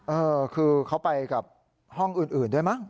เออคือเขาไปกับห้องอื่นด้วยมั้ง